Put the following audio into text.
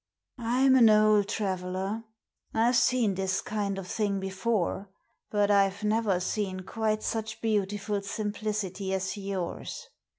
" I'm an old traveller. I've seen this kind of thing before. But I've never seen quite such beautiful simplicity as yours.